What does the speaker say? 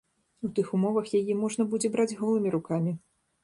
У тых умовах яе можна будзе браць голымі рукамі.